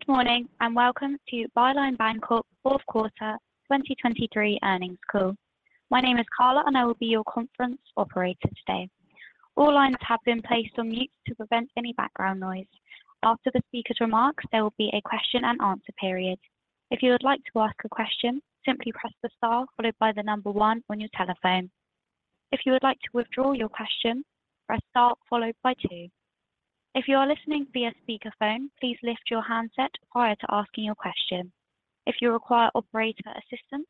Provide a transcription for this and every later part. Good morning, and welcome to Byline Bancorp Fourth Quarter 2023 Earnings Call. My name is Carla, and I will be your conference operator today. All lines have been placed on mute to prevent any background noise. After the speaker's remarks, there will be a question and answer period. If you would like to ask a question, simply press the star followed by the number one on your telephone. If you would like to withdraw your question, press star followed by two. If you are listening via speakerphone, please lift your handset prior to asking your question. If you require operator assistance,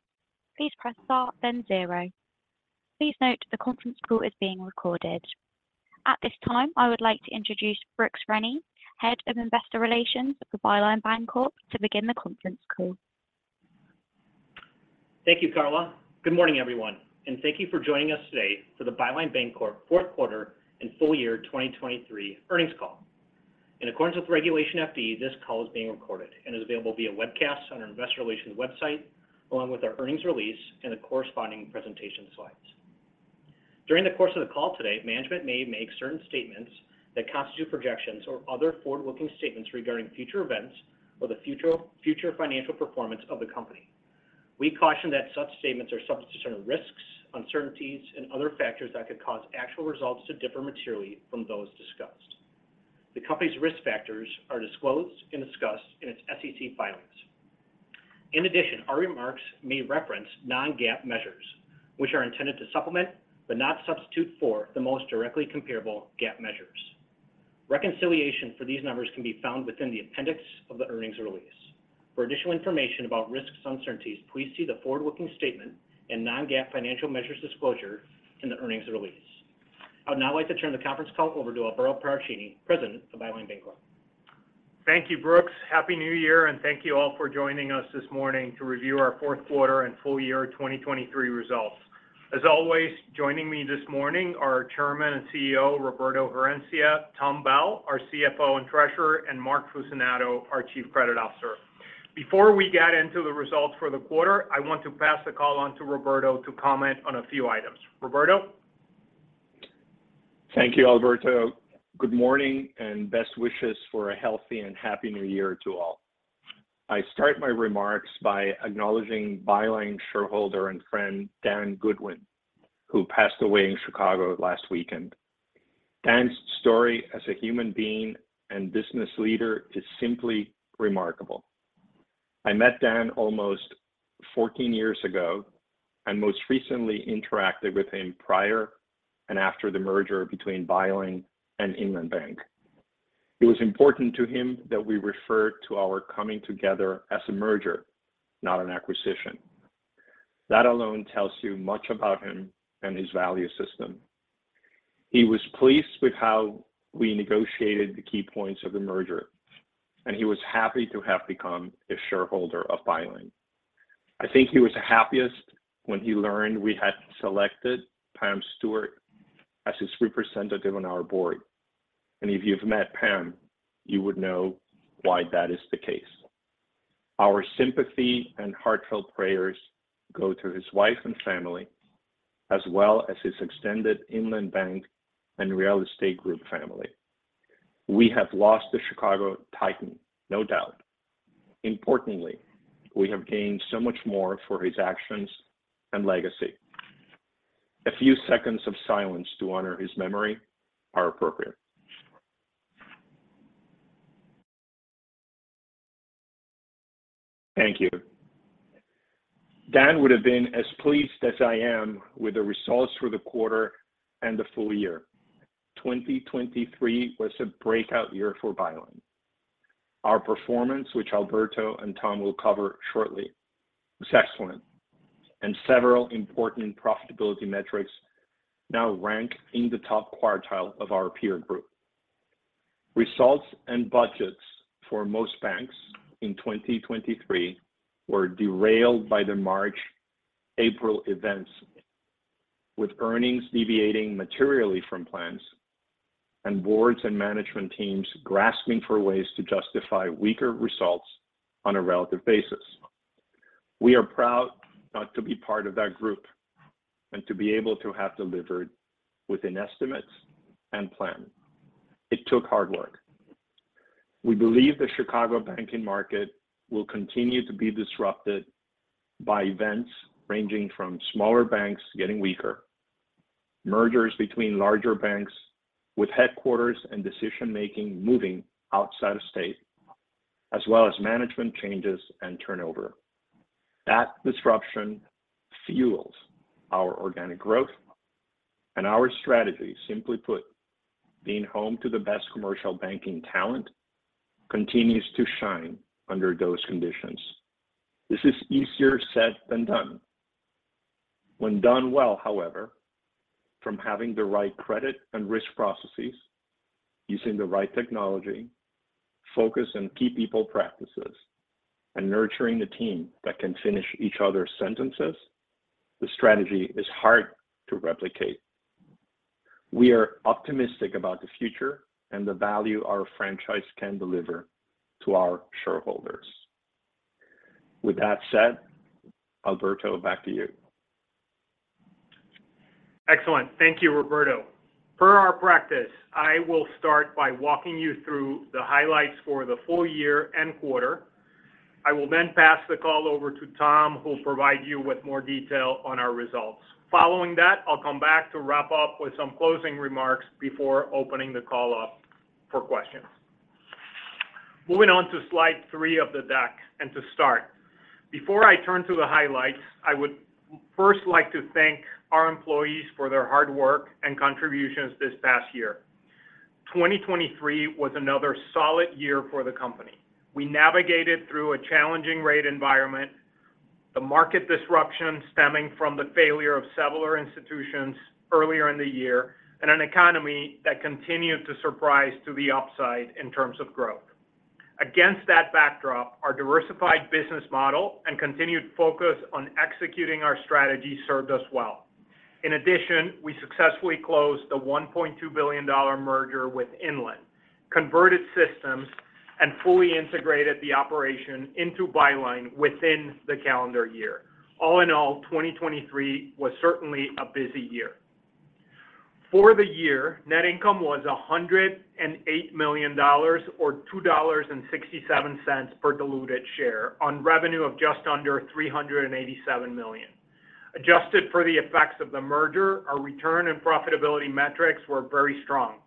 please press star, then zero. Please note, the conference call is being recorded. At this time, I would like to introduce Brooks Rennie, Head of Investor Relations for Byline Bancorp, to begin the conference call. Thank you, Carla. Good morning, everyone, and thank you for joining us today for the Byline Bancorp fourth quarter and full year 2023 earnings call. In accordance with Regulation FD, this call is being recorded and is available via webcast on our investor relations website, along with our earnings release and the corresponding presentation slides. During the course of the call today, management may make certain statements that constitute projections or other forward-looking statements regarding future events or the future financial performance of the company. We caution that such statements are subject to certain risks, uncertainties, and other factors that could cause actual results to differ materially from those discussed. The company's risk factors are disclosed and discussed in its SEC filings. In addition, our remarks may reference non-GAAP measures, which are intended to supplement, but not substitute for, the most directly comparable GAAP measures. Reconciliation for these numbers can be found within the appendix of the earnings release. For additional information about risks and uncertainties, please see the forward-looking statement and non-GAAP financial measures disclosure in the earnings release. I would now like to turn the conference call over to Alberto Paracchini, President of Byline Bancorp. Thank you, Brooks. Happy New Year, and thank you all for joining us this morning to review our fourth quarter and full year 2023 results. As always, joining me this morning are our Chairman and CEO, Roberto Herencia; Tom Bell, our CFO and Treasurer; and Mark Fucinato, our Chief Credit Officer. Before we get into the results for the quarter, I want to pass the call on to Roberto to comment on a few items. Roberto? Thank you, Alberto. Good morning, and best wishes for a healthy and happy new year to all. I start my remarks by acknowledging Byline shareholder and friend, Dan Goodwin, who passed away in Chicago last weekend. Dan's story as a human being and business leader is simply remarkable. I met Dan almost 14 years ago, and most recently interacted with him prior and after the merger between Byline and Inland Bank. It was important to him that we refer to our coming together as a merger, not an acquisition. That alone tells you much about him and his value system. He was pleased with how we negotiated the key points of the merger, and he was happy to have become a shareholder of Byline. I think he was happiest when he learned we had selected Pamela Stewart as his representative on our board, and if you've met Pam, you would know why that is the case. Our sympathy and heartfelt prayers go to his wife and family, as well as his extended Inland Bank and Real Estate Group family. We have lost a Chicago titan, no doubt. Importantly, we have gained so much more for his actions and legacy. A few seconds of silence to honor his memory are appropriate. Thank you. Dan would have been as pleased as I am with the results for the quarter and the full year. 2023 was a breakout year for Byline. Our performance, which Alberto and Tom will cover shortly, was excellent, and several important profitability metrics now rank in the top quartile of our peer group. Results and budgets for most banks in 2023 were derailed by the March, April events, with earnings deviating materially from plans and boards and management teams grasping for ways to justify weaker results on a relative basis. We are proud not to be part of that group and to be able to have delivered within estimates and plan. It took hard work. We believe the Chicago banking market will continue to be disrupted by events ranging from smaller banks getting weaker, mergers between larger banks with headquarters and decision-making moving outside of state, as well as management changes and turnover. That disruption fuels our organic growth and our strategy. Simply put, being home to the best commercial banking talent continues to shine under those conditions. This is easier said than done. When done well, however, from having the right credit and risk processes, using the right technology, focus on key people practices, and nurturing the team that can finish each other's sentences, the strategy is hard to replicate. We are optimistic about the future and the value our franchise can deliver to our shareholders. With that said, Alberto, back to you. ... Excellent. Thank you, Roberto. Per our practice, I will start by walking you through the highlights for the full year and quarter. I will then pass the call over to Tom, who will provide you with more detail on our results. Following that, I'll come back to wrap up with some closing remarks before opening the call up for questions. Moving on to slide 3 of the deck and to start. Before I turn to the highlights, I would first like to thank our employees for their hard work and contributions this past year. 2023 was another solid year for the company. We navigated through a challenging rate environment, the market disruption stemming from the failure of several institutions earlier in the year, and an economy that continued to surprise to the upside in terms of growth. Against that backdrop, our diversified business model and continued focus on executing our strategy served us well. In addition, we successfully closed a $1.2 billion merger with Inland, converted systems, and fully integrated the operation into Byline within the calendar year. All in all, 2023 was certainly a busy year. For the year, net income was $108 million or $2.67 per diluted share on revenue of just under $387 million. Adjusted for the effects of the merger, our return and profitability metrics were very strong,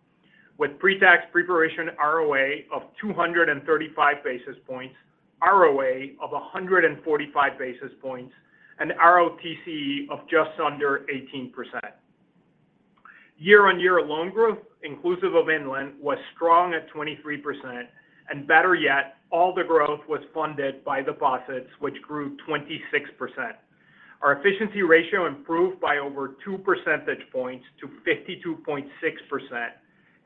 with pre-tax pre-provision ROA of 235 basis points, ROA of 145 basis points, and ROTCE of just under 18%. Year-on-year loan growth, inclusive of Inland, was strong at 23%, and better yet, all the growth was funded by the deposits, which grew 26%. Our efficiency ratio improved by over two percentage points to 52.6%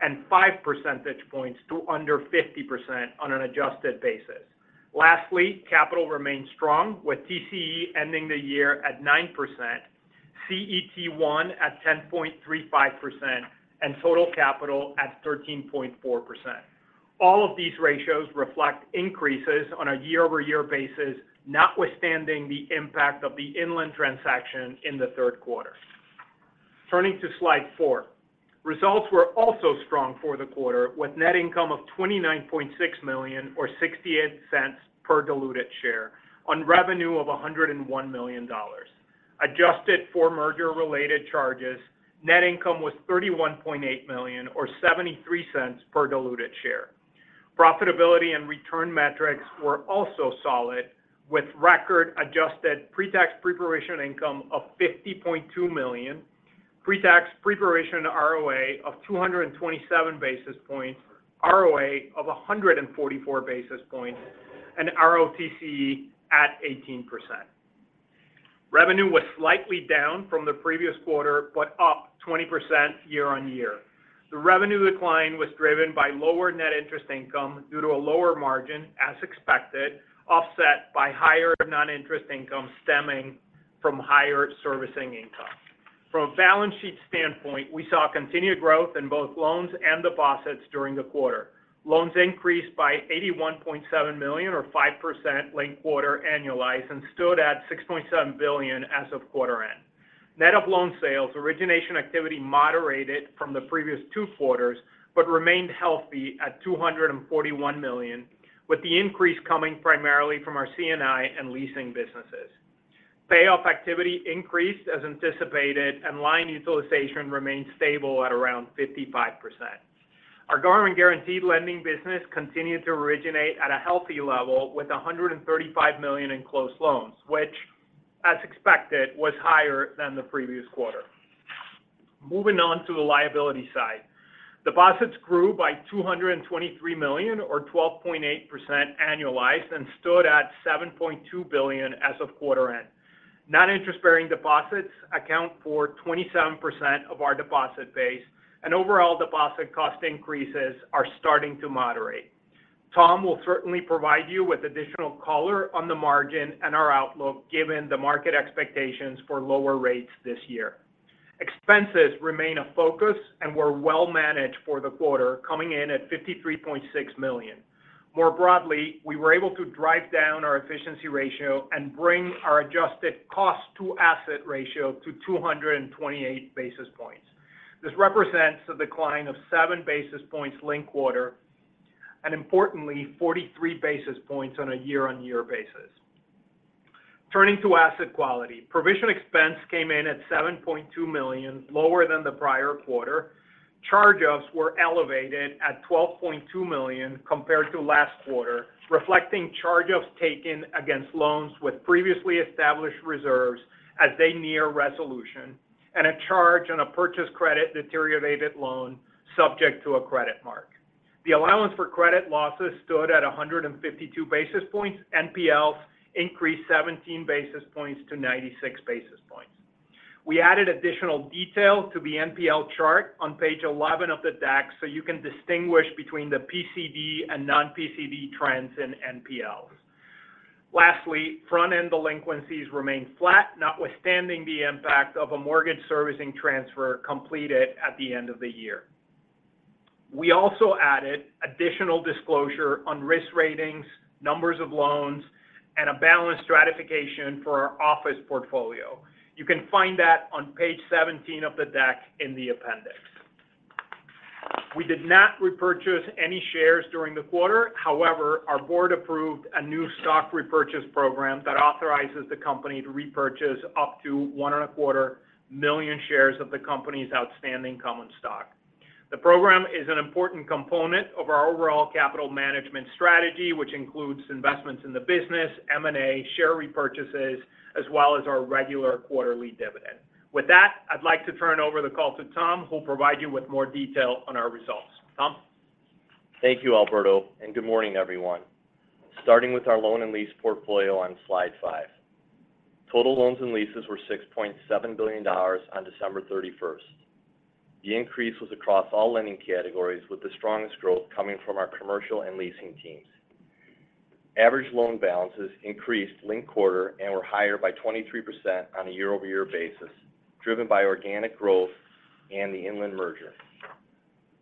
and five percentage points to under 50% on an adjusted basis. Lastly, capital remained strong, with TCE ending the year at 9%, CET1 at 10.35%, and total capital at 13.4%. All of these ratios reflect increases on a year-over-year basis, notwithstanding the impact of the Inland transaction in the third quarter. Turning to slide 4. Results were also strong for the quarter, with net income of $29.6 million or $0.68 per diluted share on revenue of $101 million. Adjusted for merger-related charges, net income was $31.8 million or $0.73 per diluted share. Profitability and return metrics were also solid, with record adjusted pre-tax pre-provision income of $50.2 million, pre-tax pre-provision ROA of 227 basis points, ROA of 144 basis points, and ROTCE at 18%. Revenue was slightly down from the previous quarter, but up 20% year-on-year. The revenue decline was driven by lower net interest income due to a lower margin, as expected, offset by higher non-interest income stemming from higher servicing income. From a balance sheet standpoint, we saw continued growth in both loans and deposits during the quarter. Loans increased by $81.7 million or 5% linked-quarter annualized and stood at $6.7 billion as of quarter end. Net of loan sales, origination activity moderated from the previous 2 quarters, but remained healthy at $241 million, with the increase coming primarily from our C&I and leasing businesses. Payoff activity increased as anticipated, and line utilization remained stable at around 55%. Our government guaranteed lending business continued to originate at a healthy level with $135 million in closed loans, which, as expected, was higher than the previous quarter. Moving on to the liability side. Deposits grew by $223 million or 12.8% annualized and stood at $7.2 billion as of quarter end. Non-interest-bearing deposits account for 27% of our deposit base, and overall deposit cost increases are starting to moderate. Tom will certainly provide you with additional color on the margin and our outlook, given the market expectations for lower rates this year. Expenses remain a focus and were well managed for the quarter, coming in at $53.6 million. More broadly, we were able to drive down our efficiency ratio and bring our adjusted cost to asset ratio to 228 basis points. This represents a decline of 7 basis points linked quarter, and importantly, 43 basis points on a year-on-year basis. Turning to asset quality. Provision expense came in at $7.2 million, lower than the prior quarter. Charge-offs were elevated at $12.2 million compared to last quarter, reflecting charge-offs taken against loans with previously established reserves as they near resolution, and a charge on a purchased credit-deteriorated loan subject to a credit mark. The allowance for credit losses stood at 152 basis points. NPLs increased 17 basis points to 96 basis points. We added additional detail to the NPL chart on page 11 of the deck, so you can distinguish between the PCD and non-PCD trends in NPLs. Lastly, front-end delinquencies remained flat, notwithstanding the impact of a mortgage servicing transfer completed at the end of the year. We also added additional disclosure on risk ratings, numbers of loans, and a balance stratification for our office portfolio. You can find that on page 17 of the deck in the appendix. We did not repurchase any shares during the quarter. However, our board approved a new stock repurchase program that authorizes the company to repurchase up to 1.25 million shares of the company's outstanding common stock. The program is an important component of our overall capital management strategy, which includes investments in the business, M&A, share repurchases, as well as our regular quarterly dividend. With that, I'd like to turn over the call to Tom, who'll provide you with more detail on our results. Tom? Thank you, Alberto, and good morning, everyone. Starting with our loan and lease portfolio on slide five. Total loans and leases were $6.7 billion on December 31. The increase was across all lending categories, with the strongest growth coming from our commercial and leasing teams. Average loan balances increased linked-quarter and were higher by 23% on a year-over-year basis, driven by organic growth and the Inland merger.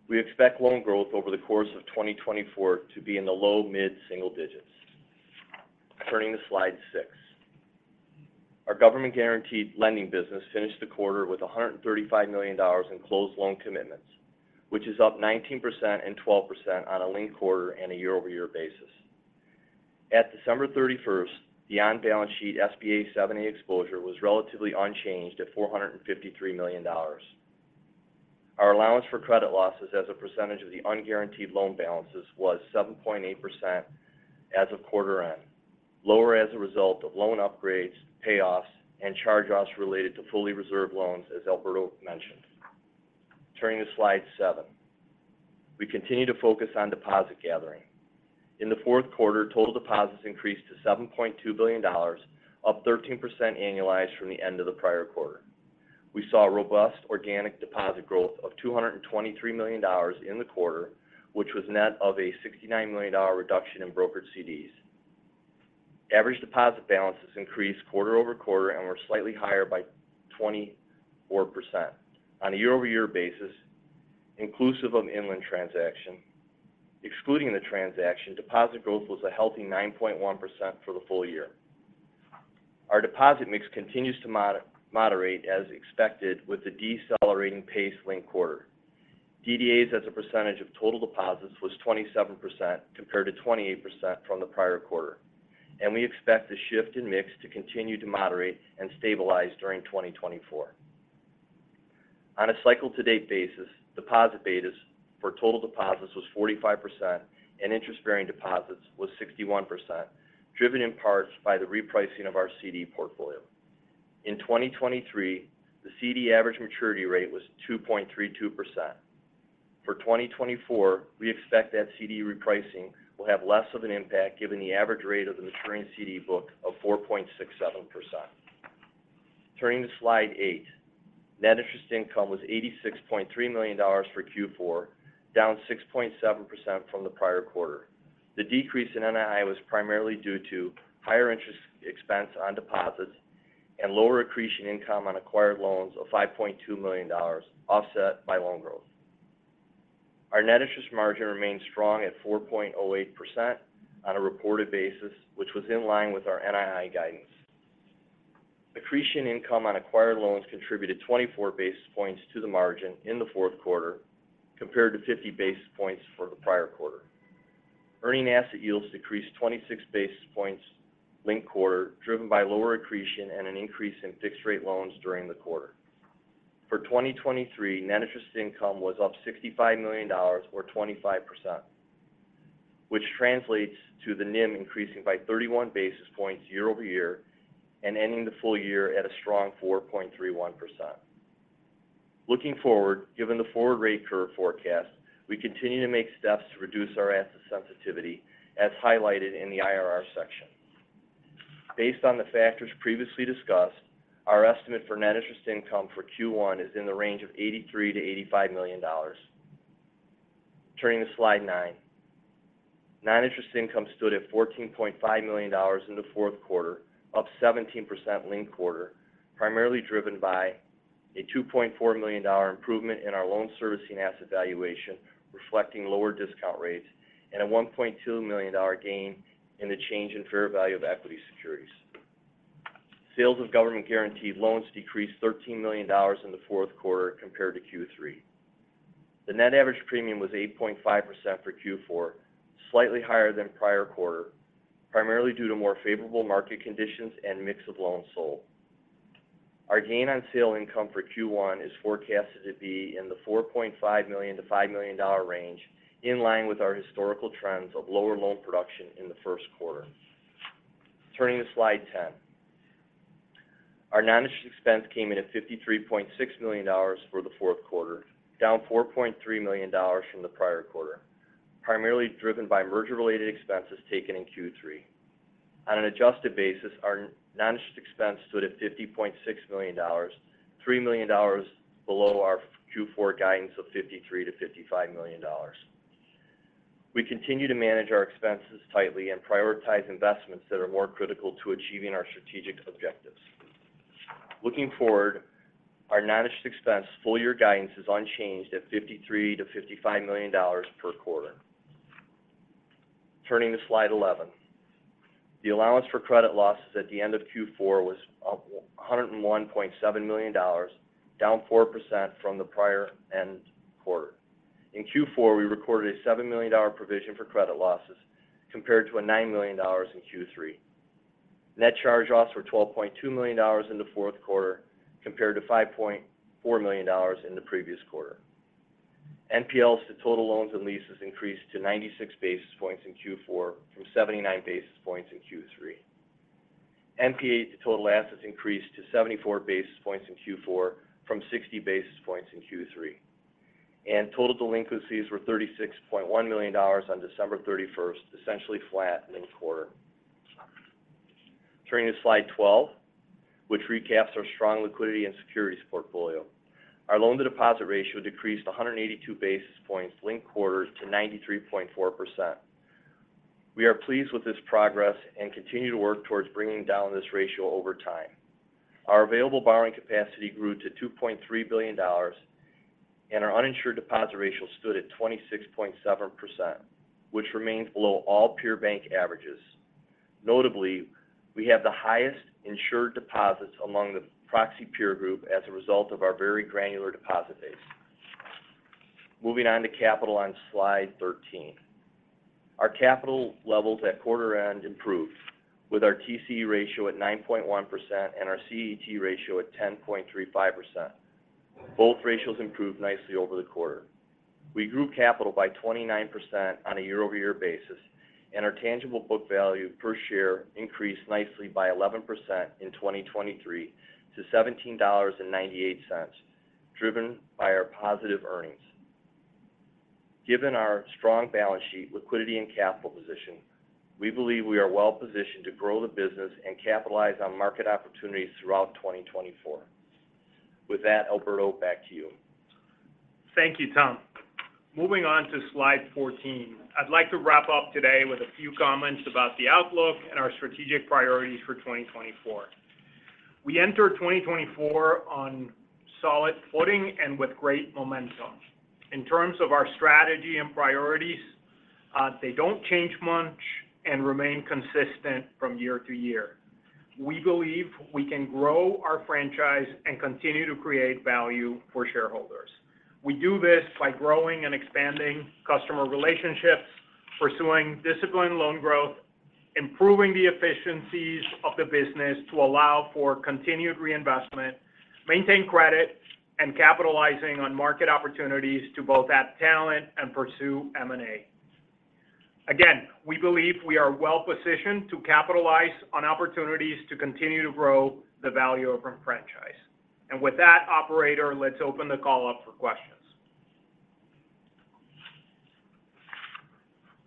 We expect loan growth over the course of 2024 to be in the low, mid-single digits. Turning to slide six. Our government-guaranteed lending business finished the quarter with $135 million in closed loan commitments, which is up 19% and 12% on a linked-quarter and a year-over-year basis. At December 31, the on-balance sheet SBA 7(a) exposure was relatively unchanged at $453 million. Our allowance for credit losses as a percentage of the unguaranteed loan balances was 7.8% as of quarter end, lower as a result of loan upgrades, payoffs, and charge-offs related to fully reserved loans, as Alberto mentioned. Turning to slide 7. We continue to focus on deposit gathering. In the fourth quarter, total deposits increased to $7.2 billion, up 13% annualized from the end of the prior quarter. We saw a robust organic deposit growth of $223 million in the quarter, which was net of a $69 million reduction in brokered CDs. Average deposit balances increased quarter-over-quarter and were slightly higher by 24%. On a year-over-year basis, inclusive of Inland transaction—excluding the transaction, deposit growth was a healthy 9.1% for the full year. Our deposit mix continues to moderate as expected, with a decelerating pace linked quarter. DDAs as a percentage of total deposits was 27%, compared to 28% from the prior quarter, and we expect the shift in mix to continue to moderate and stabilize during 2024. On a cycle-to-date basis, deposit betas for total deposits was 45%, and interest-bearing deposits was 61%, driven in parts by the repricing of our CD portfolio. In 2023, the CD average maturity rate was 2.32%. For 2024, we expect that CD repricing will have less of an impact, given the average rate of the maturing CD book of 4.67%. Turning to slide 8, net interest income was $86.3 million for Q4, down 6.7% from the prior quarter. The decrease in NII was primarily due to higher interest expense on deposits and lower accretion income on acquired loans of $5.2 million, offset by loan growth. Our net interest margin remained strong at 4.08% on a reported basis, which was in line with our NII guidance. Accretion income on acquired loans contributed 24 basis points to the margin in the fourth quarter, compared to 50 basis points for the prior quarter. Earning asset yields decreased 26 basis points linked-quarter, driven by lower accretion and an increase in fixed-rate loans during the quarter. For 2023, net interest income was up $65 million or 25%, which translates to the NIM increasing by 31 basis points year-over-year and ending the full year at a strong 4.31%. Looking forward, given the forward rate curve forecast, we continue to make steps to reduce our asset sensitivity, as highlighted in the IRR section. Based on the factors previously discussed, our estimate for net interest income for Q1 is in the range of $83 million-$85 million. Turning to slide nine. Non-interest income stood at $14.5 million in the fourth quarter, up 17% linked quarter, primarily driven by a $2.4 million improvement in our loan servicing asset valuation, reflecting lower discount rates and a $1.2 million gain in the change in fair value of equity securities. Sales of government-guaranteed loans decreased $13 million in the fourth quarter compared to Q3. The net average premium was 8.5% for Q4, slightly higher than prior quarter, primarily due to more favorable market conditions and mix of loans sold. Our gain on sale income for Q1 is forecasted to be in the $4.5 million-$5 million range, in line with our historical trends of lower loan production in the first quarter. Turning to slide 10. Our non-interest expense came in at $53.6 million for the fourth quarter, down $4.3 million from the prior quarter, primarily driven by merger-related expenses taken in Q3. On an adjusted basis, our non-interest expense stood at $50.6 million, $3 million below our Q4 guidance of $53 million-$55 million.... We continue to manage our expenses tightly and prioritize investments that are more critical to achieving our strategic objectives. Looking forward, our non-interest expense full-year guidance is unchanged at $53 million-$55 million per quarter. Turning to slide 11. The allowance for credit losses at the end of Q4 was $101.7 million, down 4% from the prior end quarter. In Q4, we recorded a $7 million provision for credit losses, compared to $9 million in Q3. Net charge-offs were $12.2 million in the fourth quarter, compared to $5.4 million in the previous quarter. NPLs to total loans and leases increased to 96 basis points in Q4 from 79 basis points in Q3. NPA to total assets increased to 74 basis points in Q4 from 60 basis points in Q3. Total delinquencies were $36.1 million on December 31, essentially flat in the quarter. Turning to slide 12, which recaps our strong liquidity and securities portfolio. Our loan-to-deposit ratio decreased 182 basis points linked quarter to 93.4%. We are pleased with this progress and continue to work towards bringing down this ratio over time. Our available borrowing capacity grew to $2.3 billion, and our uninsured deposit ratio stood at 26.7%, which remains below all peer bank averages. Notably, we have the highest insured deposits among the proxy peer group as a result of our very granular deposit base. Moving on to capital on slide 13. Our capital levels at quarter end improved, with our TCE ratio at 9.1% and our CET ratio at 10.35%. Both ratios improved nicely over the quarter. We grew capital by 29% on a year-over-year basis, and our tangible book value per share increased nicely by 11% in 2023 to $17.98, driven by our positive earnings. Given our strong balance sheet, liquidity, and capital position, we believe we are well positioned to grow the business and capitalize on market opportunities throughout 2024. With that, Alberto, back to you. Thank you, Tom. Moving on to slide 14. I'd like to wrap up today with a few comments about the outlook and our strategic priorities for 2024. We enter 2024 on solid footing and with great momentum. In terms of our strategy and priorities, they don't change much and remain consistent from year to year. We believe we can grow our franchise and continue to create value for shareholders. We do this by growing and expanding customer relationships, pursuing disciplined loan growth, improving the efficiencies of the business to allow for continued reinvestment, maintain credit, and capitalizing on market opportunities to both add talent and pursue M&A. Again, we believe we are well positioned to capitalize on opportunities to continue to grow the value of our franchise. And with that, operator, let's open the call up for questions.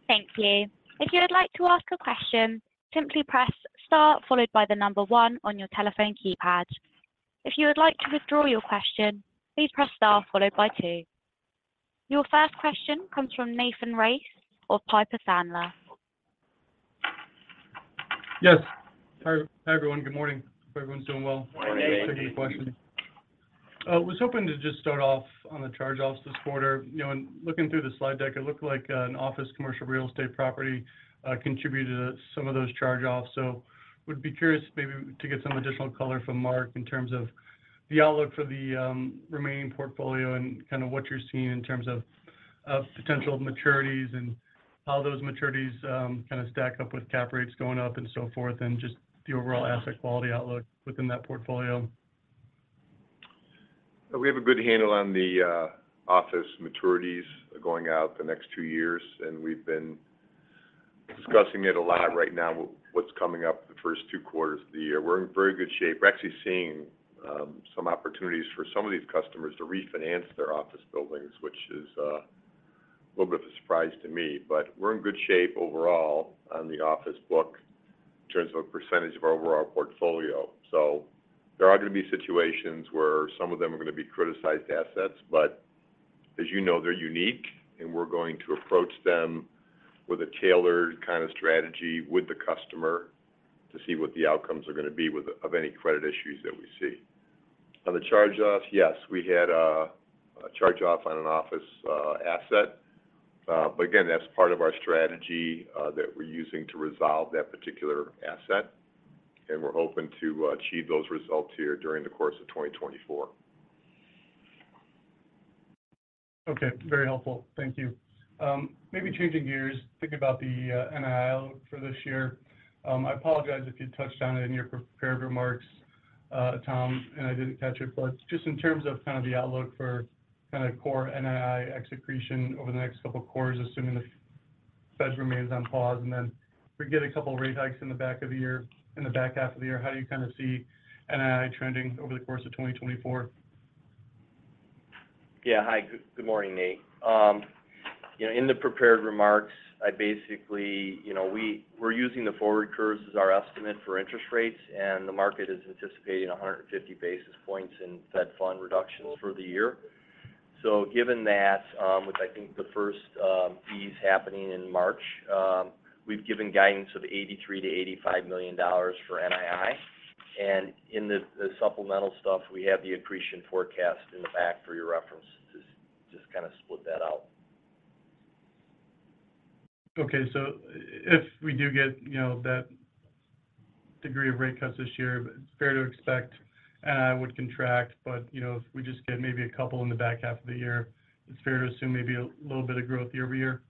Thank you. If you would like to ask a question, simply press star followed by the number one on your telephone keypad. If you would like to withdraw your question, please press star followed by two. Your first question comes from Nathan Race of Piper Sandler. Yes. Hi, hi, everyone. Good morning. Hope everyone's doing well. Good morning, Nate. Thanks for taking the question. Was hoping to just start off on the charge-offs this quarter. You know, when looking through the slide deck, it looked like an office commercial real estate property contributed to some of those charge-offs. So would be curious maybe to get some additional color from Mark in terms of the outlook for the remaining portfolio and kind of what you're seeing in terms of potential maturities and how those maturities kind of stack up with cap rates going up and so forth, and just the overall asset quality outlook within that portfolio. We have a good handle on the office maturities going out the next two years, and we've been discussing it a lot right now, what's coming up the first two quarters of the year. We're in very good shape. We're actually seeing some opportunities for some of these customers to refinance their office buildings, which is a little bit of a surprise to me. But we're in good shape overall on the office book in terms of a percentage of our overall portfolio. So there are going to be situations where some of them are going to be criticized assets, but as you know, they're unique, and we're going to approach them with a tailored kind of strategy with the customer to see what the outcomes are going to be with of any credit issues that we see. On the charge-offs, yes, we had a charge-off on an office asset. But again, that's part of our strategy that we're using to resolve that particular asset, and we're hoping to achieve those results here during the course of 2024. Okay, very helpful. Thank you. Maybe changing gears, thinking about the NII outlook for this year. I apologize if you touched on it in your prepared remarks, Tom, and I didn't catch it. But just in terms of kind of the outlook for kind of core NII projection over the next couple of quarters, assuming the Fed remains on pause, and then we get a couple of rate hikes in the back of the year, in the back half of the year. How do you kind of see NII trending over the course of 2024? Yeah. Hi, good morning, Nate. You know, in the prepared remarks, I basically—you know, we're using the forward curves as our estimate for interest rates, and the market is anticipating 150 basis points in Fed Fund reductions for the year. So given that, which I think the first cuts happening in March, we've given guidance of $83 million-$85 million for NII. And in the supplemental stuff, we have the accretion forecast in the back for your reference to just kind of split that out. Okay, so if we do get, you know, that degree of rate cuts this year, but it's fair to expect NII would contract. But, you know, if we just get maybe a couple in the back half of the year, it's fair to assume maybe a little bit of growth year-over-year?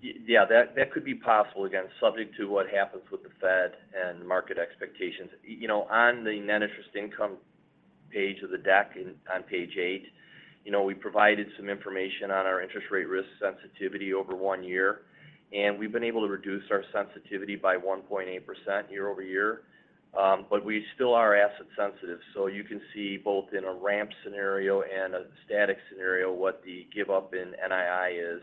Yeah, that could be possible, again, subject to what happens with the Fed and market expectations. You know, on the net interest income page of the deck, on page 8, you know, we provided some information on our interest rate risk sensitivity over 1 year, and we've been able to reduce our sensitivity by 1.8% year-over-year. But we still are asset sensitive, so you can see both in a ramp scenario and a static scenario, what the give up in NII is,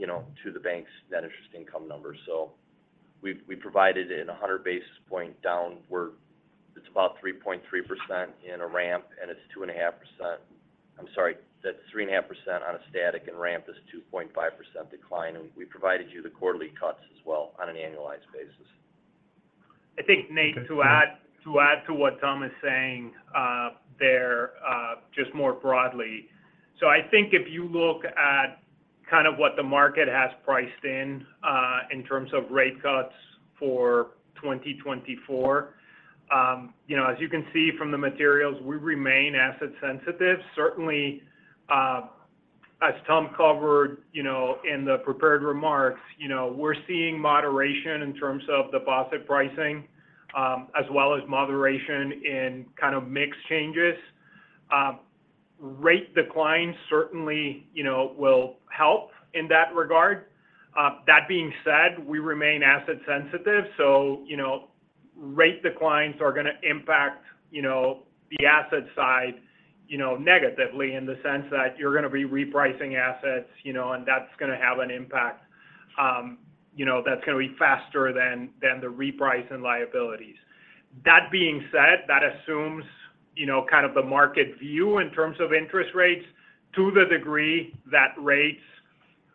you know, to the bank's net interest income number. So we've provided in a 100 basis point down, where it's about 3.3% in a ramp, and it's 2.5%... I'm sorry, that's 3.5% on a static, and ramp is 2.5% decline, and we provided you the quarterly cuts as well on an annualized basis. I think, Nate, to add to what Tom is saying, just more broadly. So I think if you look at kind of what the market has priced in, in terms of rate cuts for 2024, you know, as you can see from the materials, we remain asset sensitive. Certainly, as Tom covered, you know, in the prepared remarks, you know, we're seeing moderation in terms of deposit pricing, as well as moderation in kind of mix changes. Rate declines certainly, you know, will help in that regard. That being said, we remain asset sensitive, so, you know, rate declines are going to impact, you know, the asset side, you know, negatively in the sense that you're going to be repricing assets, you know, and that's going to have an impact, you know, that's going to be faster than the reprice in liabilities. That being said, that assumes, you know, kind of the market view in terms of interest rates. To the degree that rates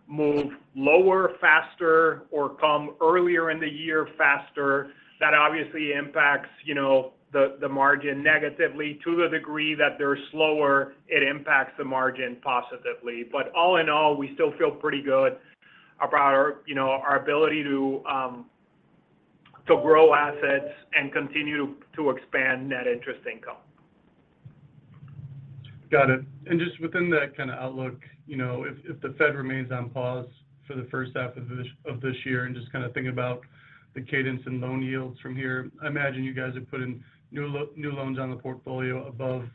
move lower, faster, or come earlier in the year faster, that obviously impacts, you know, the margin negatively. To the degree that they're slower, it impacts the margin positively. But all in all, we still feel pretty good about our, you know, our ability to grow assets and continue to expand net interest income. Got it. And just within that kind of outlook, you know, if the Fed remains on pause for the first half of this year, and just kind of thinking about the cadence in loan yields from here, I imagine you guys are putting new loans on the portfolio above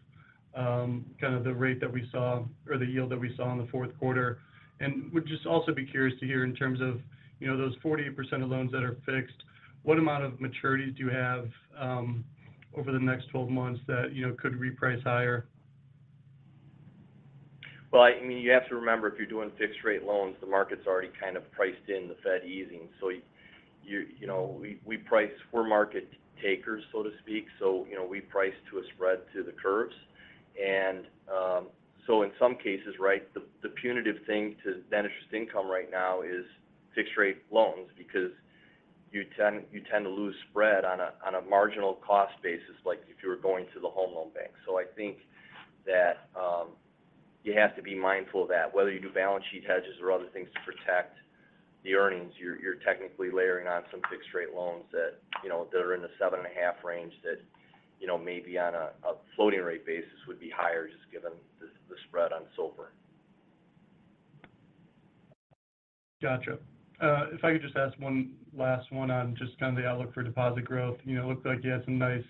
kind of the rate that we saw or the yield that we saw in the fourth quarter. And would just also be curious to hear in terms of, you know, those 48% of loans that are fixed, what amount of maturities do you have over the next 12 months that, you know, could reprice higher? Well, I mean, you have to remember, if you're doing fixed-rate loans, the market's already kind of priced in the Fed easing. So you know, we're market takers, so to speak. So, you know, we price to a spread to the curves. And so in some cases, right, the punitive thing to net interest income right now is fixed-rate loans because you tend to lose spread on a marginal cost basis, like if you were going to the Home Loan Bank. So I think that you have to be mindful of that. Whether you do balance sheet hedges or other things to protect the earnings, you're technically layering on some fixed-rate loans that, you know, that are in the 7.5 range that, you know, maybe on a floating-rate basis would be higher, just given the spread on SOFR. Gotcha. If I could just ask one last one on just on the outlook for deposit growth. You know, it looked like you had some nice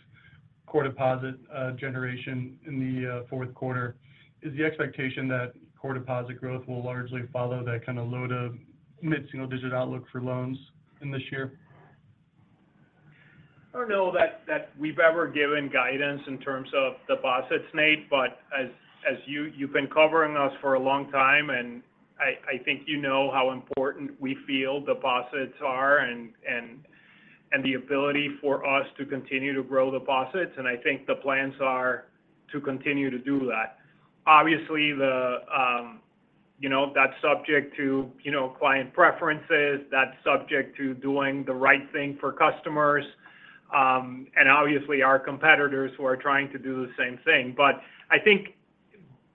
core deposit generation in the fourth quarter. Is the expectation that core deposit growth will largely follow that kind of load of mid single-digit outlook for loans in this year? I don't know that that we've ever given guidance in terms of deposits, Nate, but as you've been covering us for a long time, and I think you know how important we feel deposits are and the ability for us to continue to grow deposits, and I think the plans are to continue to do that. Obviously, the you know, that's subject to you know, client preferences, that's subject to doing the right thing for customers and obviously, our competitors who are trying to do the same thing. But I think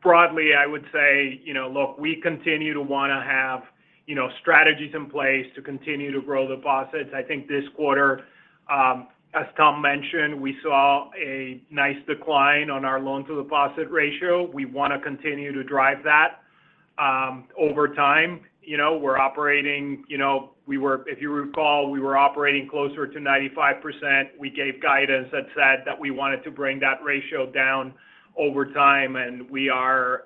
broadly, I would say you know, look, we continue to want to have you know, strategies in place to continue to grow deposits. I think this quarter, as Tom mentioned, we saw a nice decline on our loan-to-deposit ratio. We want to continue to drive that. Over time, you know, we're operating, you know, we were, if you recall, we were operating closer to 95%. We gave guidance that said that we wanted to bring that ratio down over time, and we are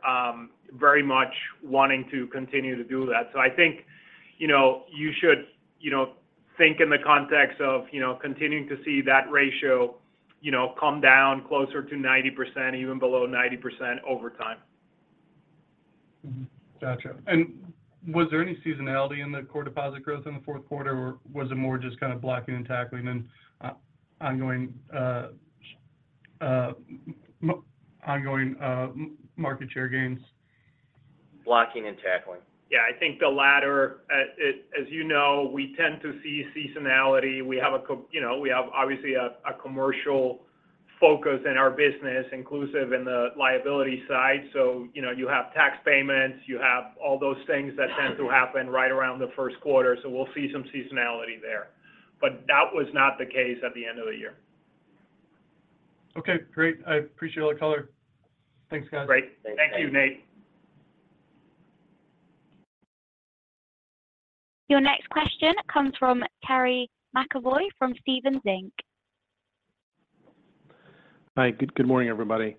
very much wanting to continue to do that. So I think, you know, you should, you know, think in the context of, you know, continuing to see that ratio, you know, come down closer to 90%, even below 90% over time.... Gotcha. And was there any seasonality in the core deposit growth in the fourth quarter, or was it more just kind of blocking and tackling and ongoing market share gains? Blocking and tackling. Yeah, I think the latter. As you know, we tend to see seasonality. We have a—you know, we have obviously a commercial focus in our business, inclusive in the liability side. So, you know, you have tax payments, you have all those things that tend to happen right around the first quarter. So we'll see some seasonality there. But that was not the case at the end of the year. Okay, great. I appreciate all the color. Thanks, guys. Great. Thanks. Thank you, Nate. Your next question comes from Terry McEvoy, from Stephens Inc. Hi. Good morning, everybody.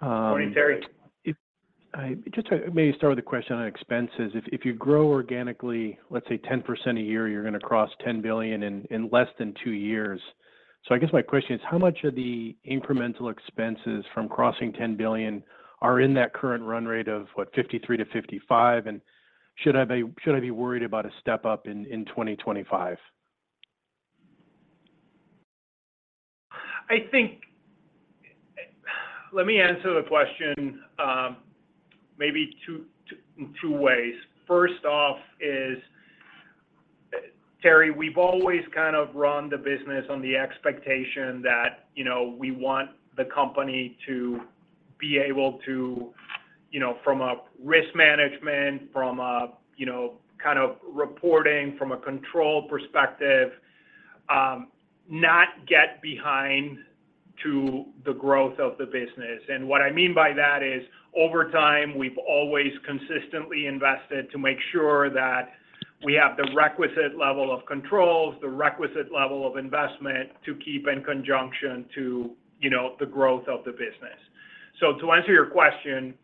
Morning, Terry. If I just maybe start with a question on expenses. If you grow organically, let's say 10% a year, you're going to cross $10 billion in less than 2 years. So I guess my question is, how much of the incremental expenses from crossing $10 billion are in that current run rate of, what, $53 million-$55 million? And should I be worried about a step up in 2025? I think, let me answer the question, maybe in two ways. First off is, Terry, we've always kind of run the business on the expectation that, you know, we want the company to be able to, you know, from a risk management, from a, you know, kind of reporting, from a control perspective, not get behind to the growth of the business. And what I mean by that is, over time, we've always consistently invested to make sure that we have the requisite level of controls, the requisite level of investment to keep in conjunction to, you know, the growth of the business. So to answer your question,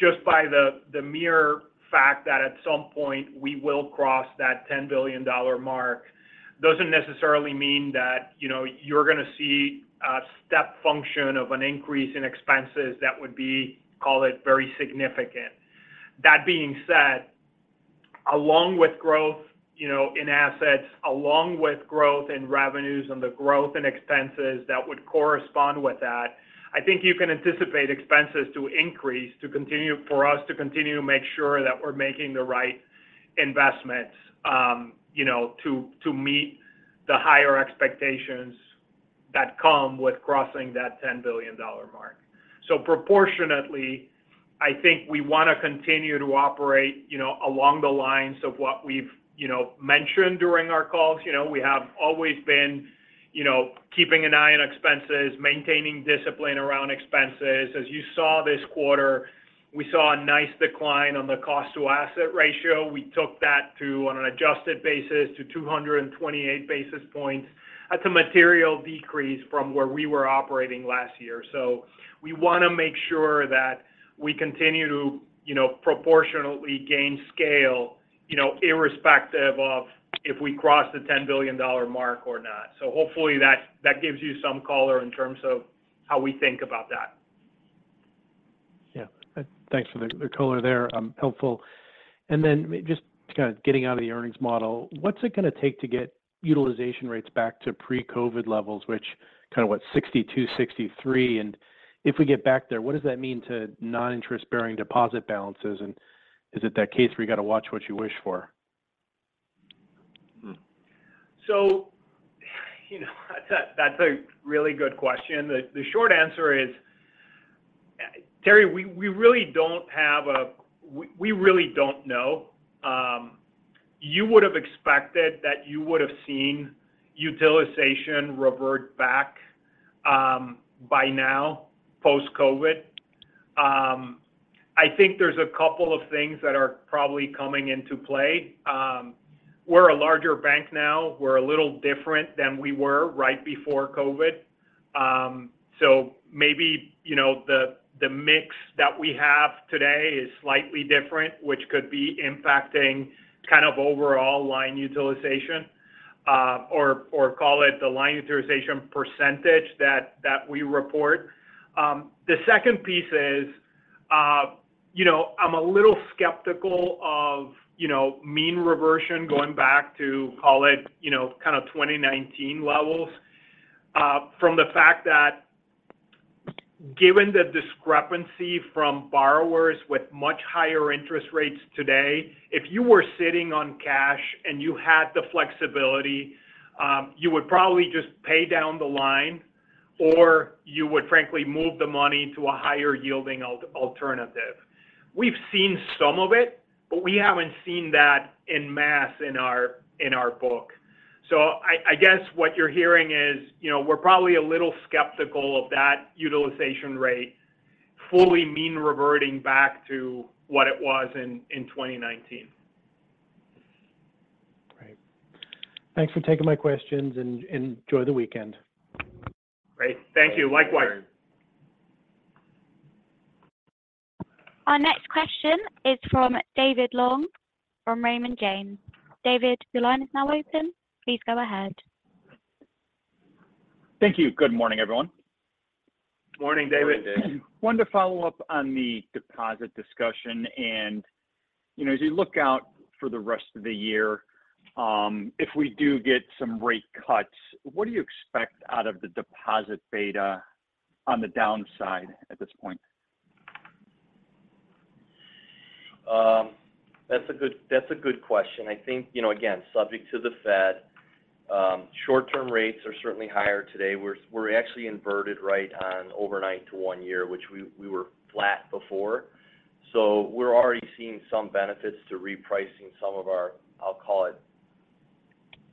just by the mere fact that at some point we will cross that $10 billion mark, doesn't necessarily mean that, you know, you're going to see a step function of an increase in expenses that would be, call it, very significant. That being said, along with growth, you know, in assets, along with growth in revenues and the growth in expenses that would correspond with that, I think you can anticipate expenses to increase, to continue for us to continue to make sure that we're making the right investments, you know, to meet the higher expectations that come with crossing that $10 billion mark. So proportionately, I think we want to continue to operate, you know, along the lines of what we've, you know, mentioned during our calls. You know, we have always been, you know, keeping an eye on expenses, maintaining discipline around expenses. As you saw this quarter, we saw a nice decline on the cost to asset ratio. We took that to, on an adjusted basis, to 228 basis points. That's a material decrease from where we were operating last year. So we want to make sure that we continue to, you know, proportionately gain scale, you know, irrespective of if we cross the $10 billion mark or not. So hopefully that, that gives you some color in terms of how we think about that. Yeah. Thanks for the color there, helpful. And then just kind of getting out of the earnings model, what's it going to take to get utilization rates back to pre-COVID levels, which kind of, what, 62, 63? And if we get back there, what does that mean to non-interest-bearing deposit balances? And is it that case where you got to watch what you wish for? So, you know, that's a really good question. The short answer is, Terry, we really don't know. You would have expected that you would have seen utilization revert back by now, post-COVID. I think there's a couple of things that are probably coming into play. We're a larger bank now. We're a little different than we were right before COVID. So maybe, you know, the mix that we have today is slightly different, which could be impacting kind of overall line utilization, or call it the line utilization percentage that we report. The second piece is, you know, I'm a little skeptical of mean reversion, going back to, call it, you know, kind of 2019 levels. From the fact that given the discrepancy from borrowers with much higher interest rates today, if you were sitting on cash and you had the flexibility, you would probably just pay down the line, or you would frankly move the money to a higher yielding alternative. We've seen some of it, but we haven't seen that en masse in our book. So I guess what you're hearing is, you know, we're probably a little skeptical of that utilization rate fully mean reverting back to what it was in 2019. Great. Thanks for taking my questions, and enjoy the weekend. Great. Thank you. Likewise. Our next question is from David Long, from Raymond James. David, your line is now open. Please go ahead.... Thank you. Good morning, everyone. Morning, David. Morning, David. Wanted to follow up on the deposit discussion. You know, as you look out for the rest of the year, if we do get some rate cuts, what do you expect out of the deposit beta on the downside at this point? That's a good, that's a good question. I think, you know, again, subject to the Fed, short-term rates are certainly higher today. We're actually inverted right on overnight to one year, which we were flat before. So we're already seeing some benefits to repricing some of our, I'll call it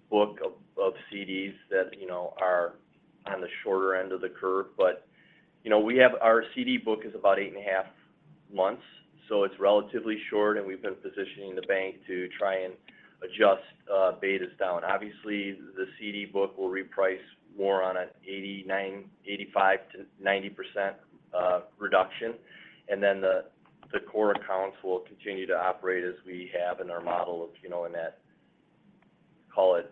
book of CDs that, you know, are on the shorter end of the curve. But, you know, we have our CD book is about 8.5 months, so it's relatively short, and we've been positioning the bank to try and adjust betas down. Obviously, the CD book will reprice more on an 85%-90% reduction, and then the core accounts will continue to operate as we have in our model of, you know, in that, call it.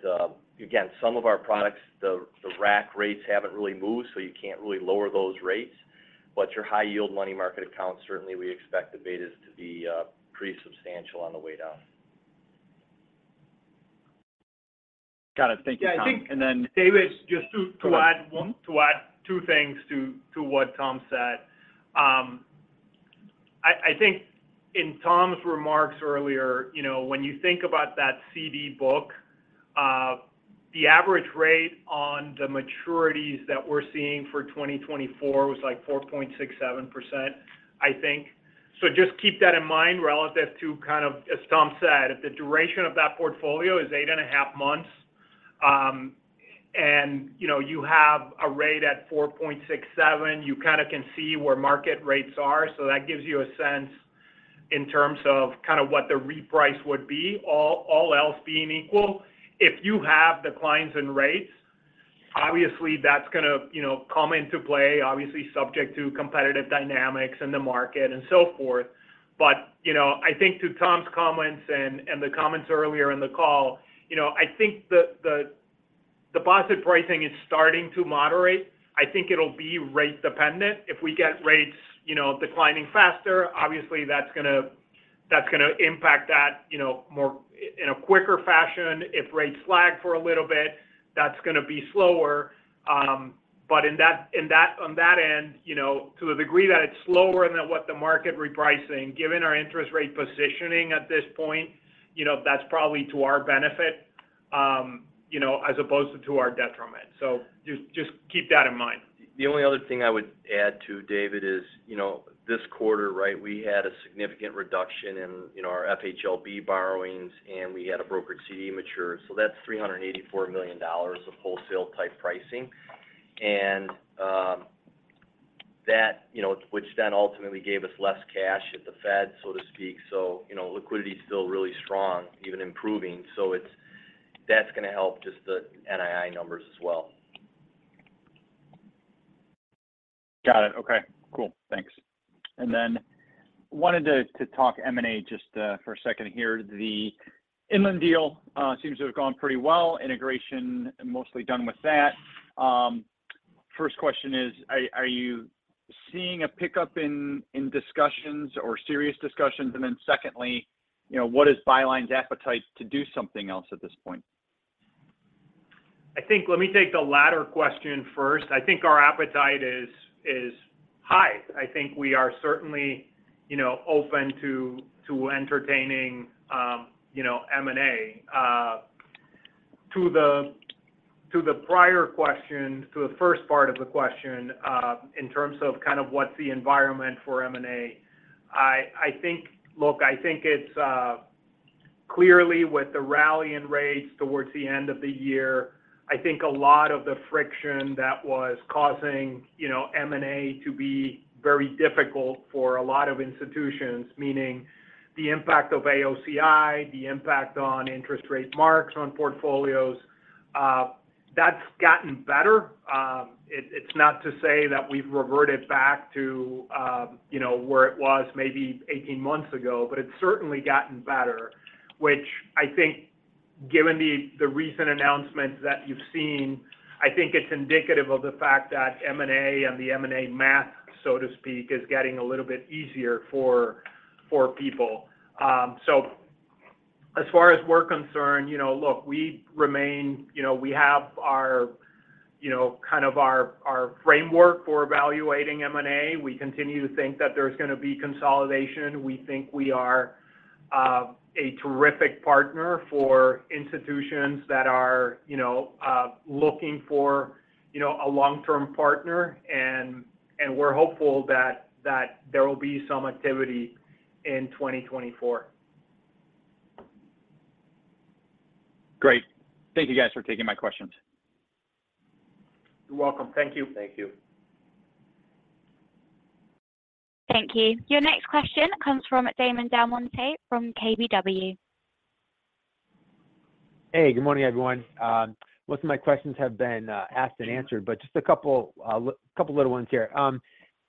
Again, some of our products, the rack rates haven't really moved, so you can't really lower those rates. But your high-yield money market accounts, certainly we expect the betas to be pretty substantial on the way down. Got it. Thank you, Tom. Yeah, I think- And then- David, just to add one- Go ahead. To add two things to what Tom said. I think in Tom's remarks earlier, you know, when you think about that CD book, the average rate on the maturities that we're seeing for 2024 was, like, 4.67%, I think. So just keep that in mind relative to kind of, as Tom said, if the duration of that portfolio is 8.5 months, and, you know, you have a rate at 4.67%, you kind of can see where market rates are. So that gives you a sense in terms of kind of what the reprice would be, all else being equal. If you have declines in rates, obviously, that's going to, you know, come into play, obviously, subject to competitive dynamics in the market and so forth. But, you know, I think to Tom's comments and the comments earlier in the call, you know, I think the deposit pricing is starting to moderate. I think it'll be rate dependent. If we get rates, you know, declining faster, obviously, that's gonna impact that, you know, in a quicker fashion. If rates lag for a little bit, that's gonna be slower. But in that on that end, you know, to the degree that it's slower than what the market repricing, given our interest rate positioning at this point, you know, that's probably to our benefit, you know, as opposed to our detriment. So just keep that in mind. The only other thing I would add to, David, is, you know, this quarter, right, we had a significant reduction in, you know, our FHLB borrowings, and we had a brokered CD mature. So that's $384 million of wholesale-type pricing. And, that, you know, which then ultimately gave us less cash at the Fed, so to speak. So, you know, liquidity is still really strong, even improving. So it's, that's gonna help just the NII numbers as well. Got it. Okay, cool. Thanks. And then wanted to talk M&A just for a second here. The Inland deal seems to have gone pretty well. Integration, mostly done with that. First question is, are you seeing a pickup in discussions or serious discussions? And then secondly, you know, what is Byline's appetite to do something else at this point? I think let me take the latter question first. I think our appetite is high. I think we are certainly, you know, open to entertaining, you know, M&A. To the prior question, to the first part of the question, in terms of kind of what's the environment for M&A, I think—look, I think it's clearly with the rally in rates towards the end of the year, I think a lot of the friction that was causing, you know, M&A to be very difficult for a lot of institutions, meaning the impact of AOCI, the impact on interest rate marks on portfolios, that's gotten better. It's not to say that we've reverted back to, you know, where it was maybe eighteen months ago, but it's certainly gotten better, which I think given the recent announcements that you've seen, I think it's indicative of the fact that M&A and the M&A math, so to speak, is getting a little bit easier for people. So as far as we're concerned, you know, look, we remain. You know, we have our, you know, kind of our framework for evaluating M&A. We continue to think that there's going to be consolidation. We think we are a terrific partner for institutions that are, you know, looking for, you know, a long-term partner, and we're hopeful that there will be some activity in 2024. Great. Thank you guys for taking my questions. You're welcome. Thank you. Thank you. Thank you. Your next question comes from Damon DelMonte from KBW. Hey, good morning, everyone. Most of my questions have been asked and answered, but just a couple little ones here.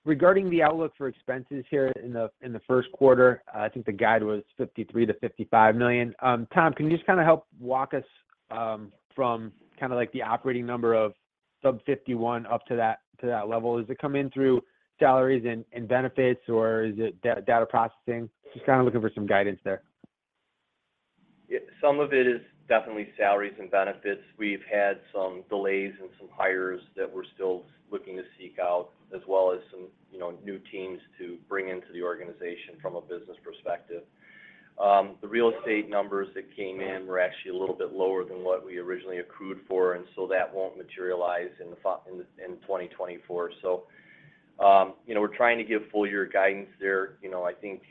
Regarding the outlook for expenses here in the first quarter, I think the guide was $53 million-$55 million. Tom, can you just kind of help walk us from kind of like the operating number sub $51 up to that level? Does it come in through salaries and benefits, or is it data processing? Just kind of looking for some guidance there. Yeah, some of it is definitely salaries and benefits. We've had some delays in some hires that we're still looking to seek out, as well as some, you know, new teams to bring into the organization from a business perspective. The real estate numbers that came in were actually a little bit lower than what we originally accrued for, and so that won't materialize in 2024. So, you know, we're trying to give full year guidance there. You know, I think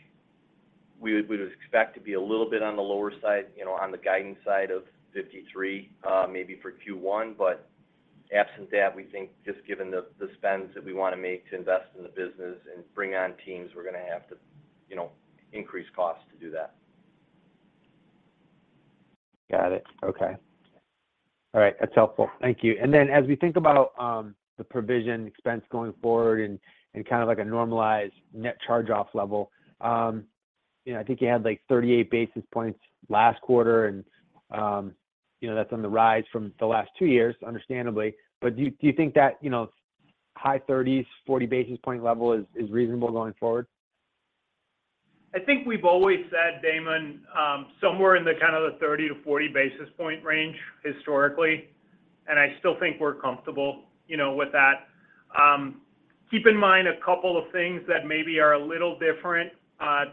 we would expect to be a little bit on the lower side, you know, on the guidance side of 53, maybe for Q1. But absent that, we think just given the spends that we want to make to invest in the business and bring on teams, we're gonna have to, you know, increase costs to do that. Got it. Okay. All right. That's helpful. Thank you. And then as we think about the provision expense going forward and kind of like a normalized net charge-off level, you know, I think you had, like, 38 basis points last quarter, and you know, that's on the rise from the last two years, understandably. But do you think that, you know, high 30s, 40 basis point level is reasonable going forward? I think we've always said, Damon, somewhere in the kind of the 30-40 basis point range historically, and I still think we're comfortable, you know, with that. Keep in mind a couple of things that maybe are a little different,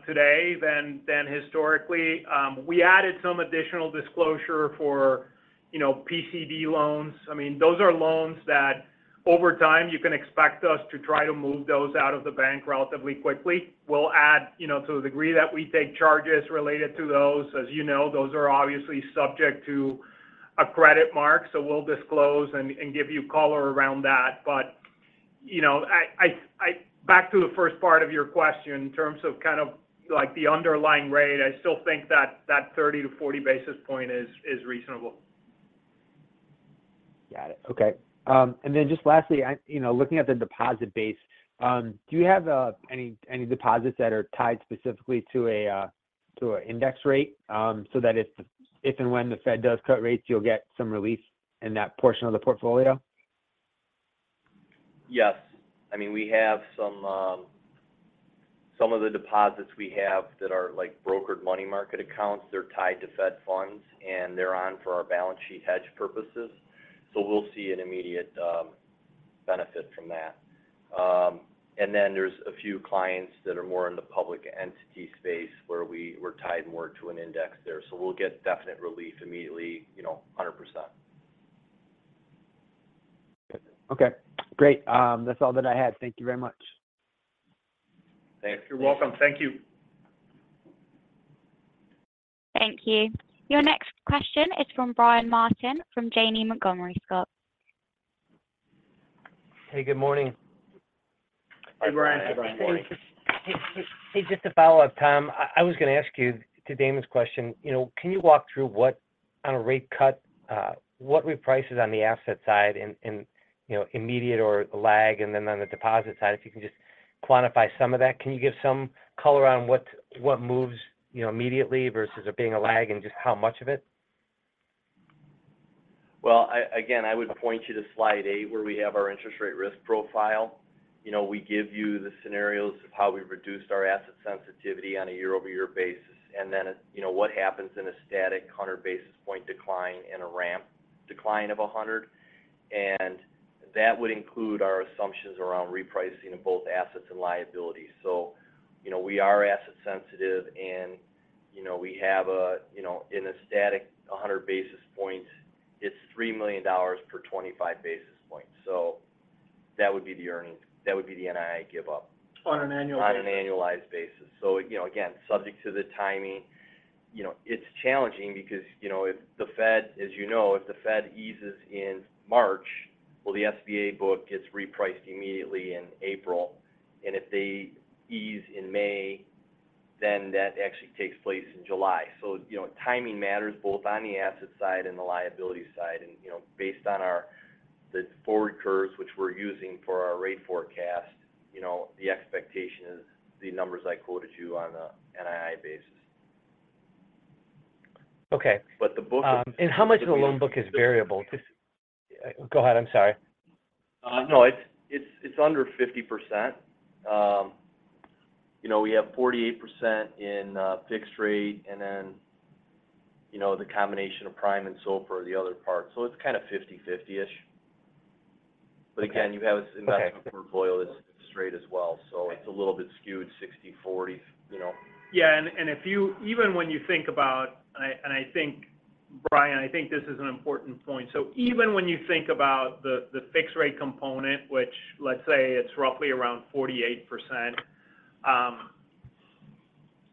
today than historically. We added some additional disclosure for, you know, PCD loans. I mean, those are loans that over time, you can expect us to try to move those out of the bank relatively quickly. We'll add, you know, to the degree that we take charges related to those. As you know, those are obviously subject to a credit mark, so we'll disclose and give you color around that. But, you know, back to the first part of your question, in terms of kind of, like, the underlying rate, I still think that 30-40 basis points is reasonable. Got it. Okay. And then just lastly, you know, looking at the deposit base, do you have any deposits that are tied specifically to an index rate, so that if and when the Fed does cut rates, you'll get some relief in that portion of the portfolio? Yes. I mean, we have some of the deposits we have that are, like, brokered money market accounts, they're tied to Fed Funds, and they're on for our balance sheet hedge purposes. So we'll see an immediate benefit from that. And then there's a few clients that are more in the public entity space, where we're tied more to an index there. So we'll get definite relief immediately, you know, 100%. Okay, great. That's all that I had. Thank you very much. Thanks. You're welcome. Thank you. Thank you. Your next question is from Brian Martin, from Janney Montgomery Scott. Hey, good morning. Hi, Brian. Hi, Brian. Hey, just a follow-up, Tom. I was going to ask you, to Damon's question, you know, can you walk through what, on a rate cut, what reprices on the asset side and, you know, immediate or lag? And then on the deposit side, if you can just quantify some of that. Can you give some color on what moves, you know, immediately versus there being a lag and just how much of it? Well, again, I would point you to slide eight, where we have our interest rate risk profile. You know, we give you the scenarios of how we reduced our asset sensitivity on a year-over-year basis, and then, you know, what happens in a static 100 basis point decline and a ramp decline of 100. And that would include our assumptions around repricing of both assets and liabilities. So, you know, we are asset sensitive, and, you know, we have a, you know, in a static 100 basis points, it's $3 million per 25 basis points. So that would be the earnings, that would be the NII give up. On an annualized- On an annualized basis. So, you know, again, subject to the timing, you know, it's challenging because, you know, if the Fed, as you know, if the Fed eases in March, well, the SBA book gets repriced immediately in April, and if they ease in May, then that actually takes place in July. So, you know, timing matters both on the asset side and the liability side. And, you know, based on our, the forward curves, which we're using for our rate forecast, you know, the expectation is the numbers I quoted you on a NII basis. Okay. But the book is- And how much of the loan book is variable? Just... Go ahead, I'm sorry. No, it's under 50%. You know, we have 48% in fixed rate, and then, you know, the combination of prime and SOFR are the other part. So it's kind of 50/50-ish. Okay. But again, you have this investment portfolio- Okay... that's straight as well, so it's a little bit skewed, 60/40, you know? Yeah, and if you even when you think about, and I think, Brian, I think this is an important point. So even when you think about the fixed rate component, which, let's say, it's roughly around 48%,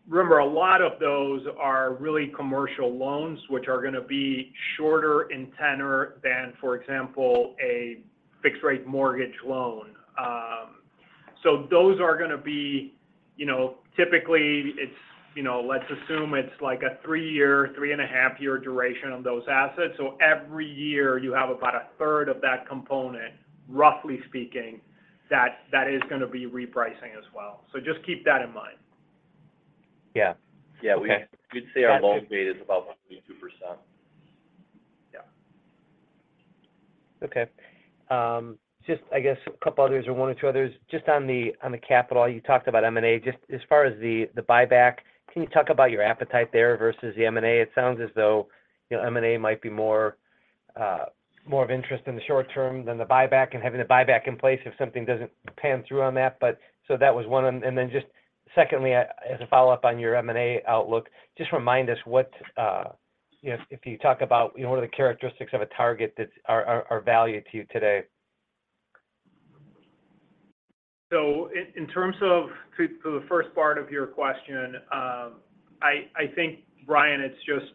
remember, a lot of those are really commercial loans, which are gonna be shorter in tenor than, for example, a fixed-rate mortgage loan. So those are gonna be, you know, typically, it's, you know, let's assume it's like a 3-year, 3.5-year duration of those assets. So every year, you have about a third of that component, roughly speaking, that is gonna be repricing as well. So just keep that in mind.... Yeah. Yeah, we- Okay. We'd say our loan rate is about 32%. Yeah. Okay. Just, I guess, a couple others or one or two others. Just on the capital, you talked about M&A. Just as far as the buyback, can you talk about your appetite there versus the M&A? It sounds as though, you know, M&A might be more of interest in the short term than the buyback, and having the buyback in place if something doesn't pan through on that. But so that was one of them. And then just secondly, as a follow-up on your M&A outlook, just remind us what, you know, if you talk about, you know, what are the characteristics of a target that are of value to you today? So in terms of the first part of your question, I think, Brian, it's just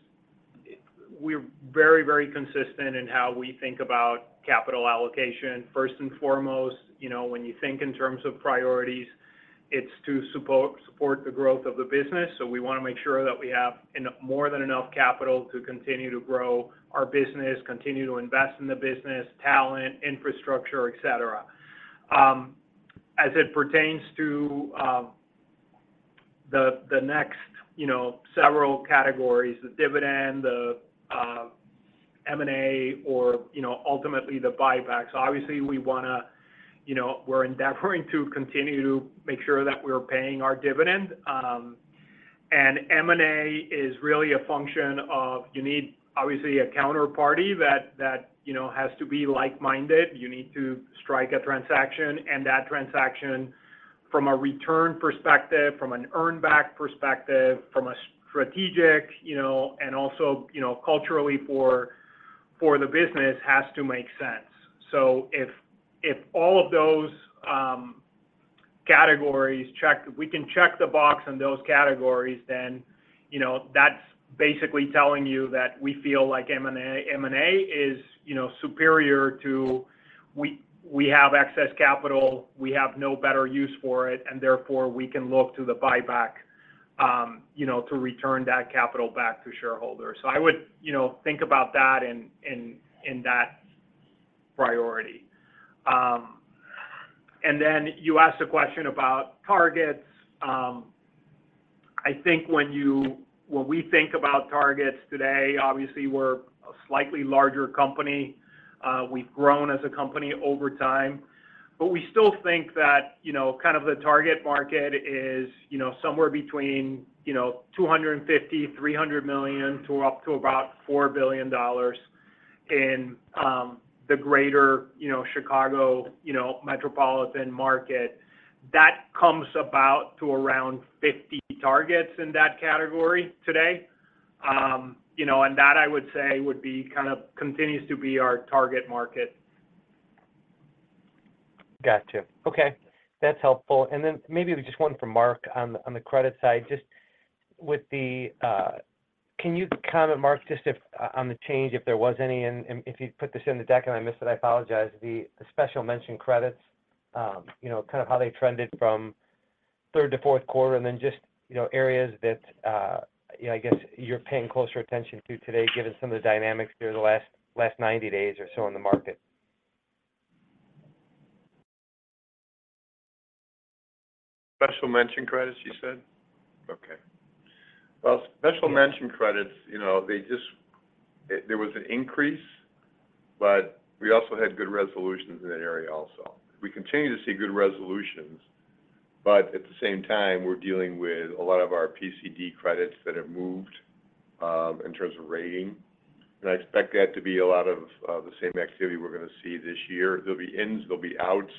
we're very, very consistent in how we think about capital allocation. First and foremost, you know, when you think in terms of priorities, it's to support the growth of the business. So we wanna make sure that we have enough more than enough capital to continue to grow our business, continue to invest in the business, talent, infrastructure, et cetera. As it pertains to the next, you know, several categories, the dividend, the M&A, or, you know, ultimately the buybacks, obviously, we wanna, you know... we're endeavoring to continue to make sure that we're paying our dividend. And M&A is really a function of you need, obviously, a counterparty that you know, has to be like-minded. You need to strike a transaction, and that transaction from a return perspective, from an earn back perspective, from a strategic, you know, and also, you know, culturally for the business, has to make sense. So if all of those categories, if we can check the box on those categories, then, you know, that's basically telling you that we feel like M&A is, you know, superior to we have excess capital, we have no better use for it, and therefore, we can look to the buyback, you know, to return that capital back to shareholders. So I would, you know, think about that in that priority. And then you asked a question about targets. I think when we think about targets today, obviously, we're a slightly larger company. We've grown as a company over time, but we still think that, you know, kind of the target market is, you know, somewhere between, you know, $250-$300 million to up to about $4 billion in the greater, you know, Chicago metropolitan market. That comes about to around 50 targets in that category today. You know, and that, I would say, would be kind of continues to be our target market. Gotcha. Okay, that's helpful. And then maybe just one from Mark on the credit side. Just with the... Can you comment, Mark, just if on the change, if there was any, and if you put this in the deck and I missed it, I apologize. The Special Mention credits, you know, kind of how they trended from third to fourth quarter, and then just, you know, areas that, you know, I guess you're paying closer attention to today, given some of the dynamics through the last 90 days or so in the market. Special mention credits, you said? Okay. Well, Special Mention credits, you know, they just... There was an increase, but we also had good resolutions in that area also. We continue to see good resolutions, but at the same time, we're dealing with a lot of our PCD credits that have moved in terms of rating. And I expect that to be a lot of the same activity we're gonna see this year. There'll be ins, there'll be outs,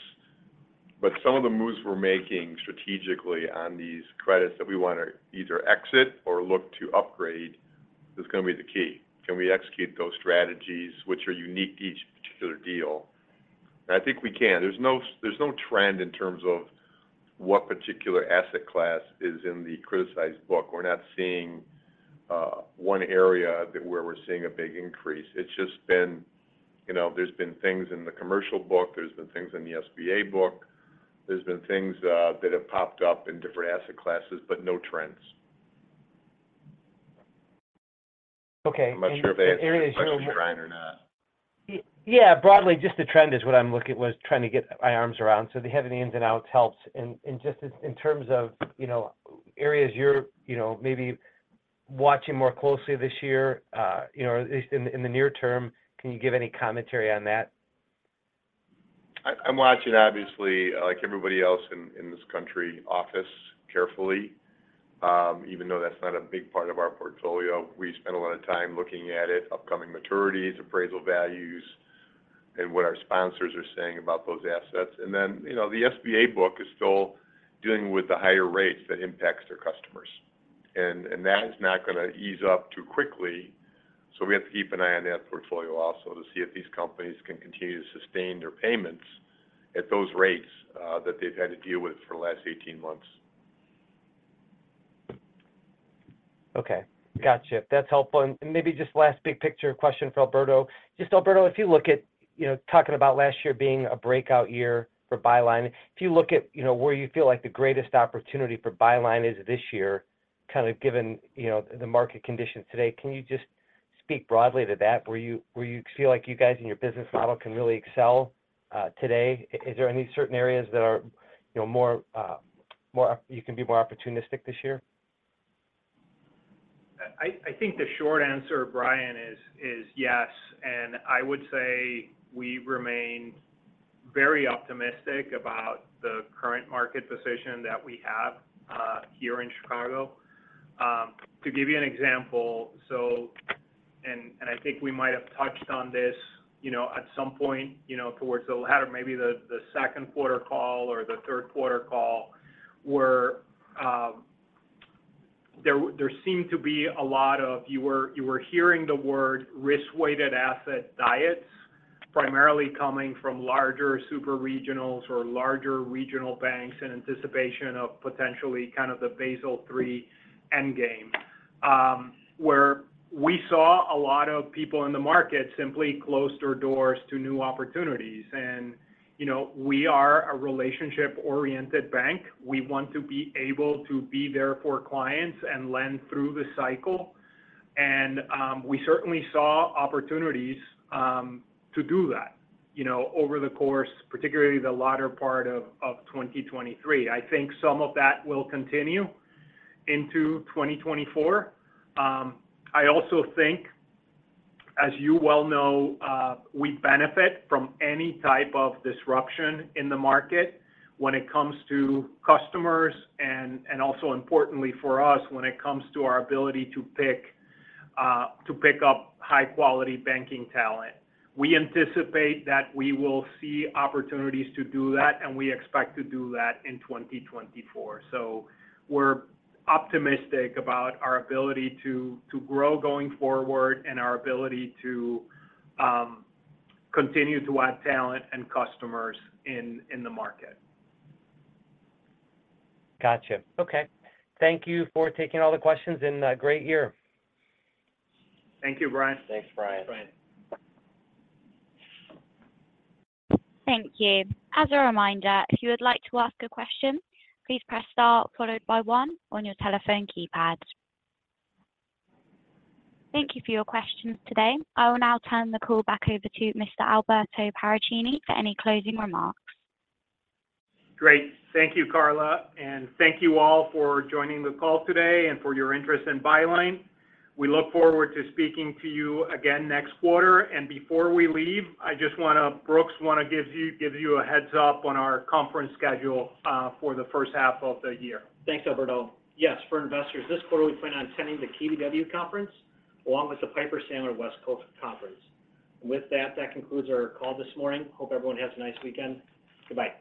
but some of the moves we're making strategically on these credits that we wanna either exit or look to upgrade, is gonna be the key. Can we execute those strategies which are unique to each particular deal? And I think we can. There's no, there's no trend in terms of what particular asset class is in the criticized book. We're not seeing one area where we're seeing a big increase. It's just been... You know, there's been things in the commercial book, there's been things in the SBA book, there's been things that have popped up in different asset classes, but no trends. Okay, and areas you- I'm not sure if I answered your question, Brian, or not. Yeah, broadly, just the trend is what I was trying to get my arms around. So having the ins and outs helps. And just in terms of, you know, areas you're, you know, maybe watching more closely this year, you know, or at least in the near term, can you give any commentary on that? I'm watching, obviously, like everybody else in this country, office carefully. Even though that's not a big part of our portfolio, we spend a lot of time looking at it, upcoming maturities, appraisal values, and what our sponsors are saying about those assets. And then, you know, the SBA book is still dealing with the higher rates that impacts their customers. And that is not gonna ease up too quickly, so we have to keep an eye on that portfolio also to see if these companies can continue to sustain their payments at those rates that they've had to deal with for the last 18 months. Okay. Gotcha. That's helpful. And maybe just last big picture question for Alberto. Just Alberto, if you look at, you know, talking about last year being a breakout year for Byline, if you look at, you know, where you feel like the greatest opportunity for Byline is this year, kind of given, you know, the market conditions today, can you just speak broadly to that, where you, where you feel like you guys and your business model can really excel today? Is there any certain areas that are, you know, more, more you can be more opportunistic this year? I think the short answer, Brian, is yes. And I would say we remain very optimistic about the current market position that we have here in Chicago. To give you an example, and I think we might have touched on this, you know, at some point, you know, towards the latter, maybe the second quarter call or the third quarter call, where there seemed to be a lot of you were hearing the word risk-weighted asset diets, primarily coming from larger super regionals or larger regional banks in anticipation of potentially kind of the Basel III end game. Where we saw a lot of people in the market simply close their doors to new opportunities. And, you know, we are a relationship-oriented bank. We want to be able to be there for clients and lend through the cycle. And, we certainly saw opportunities to do that, you know, over the course, particularly the latter part of 2023. I think some of that will continue into 2024. I also think, as you well know, we benefit from any type of disruption in the market when it comes to customers and also importantly for us, when it comes to our ability to pick up high-quality banking talent. We anticipate that we will see opportunities to do that, and we expect to do that in 2024. So we're optimistic about our ability to grow going forward and our ability to continue to add talent and customers in the market. Gotcha. Okay. Thank you for taking all the questions and, great year. Thank you, Brian. Thanks, Brian. Thanks, Brian. Thank you. As a reminder, if you would like to ask a question, please press star followed by one on your telephone keypad. Thank you for your questions today. I will now turn the call back over to Mr. Alberto Paracchini for any closing remarks. Great. Thank you, Carla, and thank you all for joining the call today and for your interest in Byline. We look forward to speaking to you again next quarter. Before we leave, I just want to, Brooks wants to give you a heads up on our conference schedule for the first half of the year. Thanks, Alberto. Yes, for investors this quarter, we plan on attending the KBW Conference, along with the Piper Sandler West Coast Conference. With that, that concludes our call this morning. Hope everyone has a nice weekend. Goodbye.